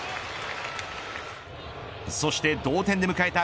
そして同点で迎えた